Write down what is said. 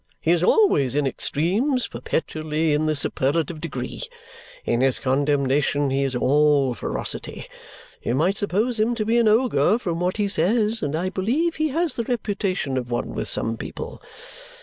He is always in extremes, perpetually in the superlative degree. In his condemnation he is all ferocity. You might suppose him to be an ogre from what he says, and I believe he has the reputation of one with some people.